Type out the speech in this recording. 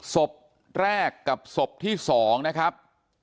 ศพแรกกับศพที่๒นะครับ